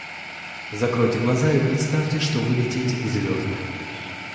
Закройте глаза и представьте, что вы летите к звездам.